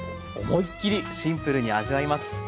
思いっきりシンプルに味わえます。